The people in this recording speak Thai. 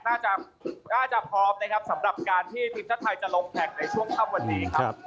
น่าจะพร้อมสำหรับการที่ทีมชาติไทยจะลงแท็กในช่วงค่ำวันนี้ครับ